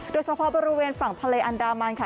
โดยเฉพาะบริเวณฝั่งทะเลอันดามันค่ะ